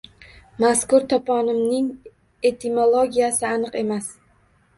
Mazkur toponimning etimologiyasi aniq emas.